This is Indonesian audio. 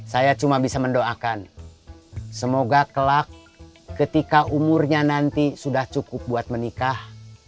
saya cuma bisa mendoakan semoga kelak ketika umurnya nanti sudah cukup buat menikah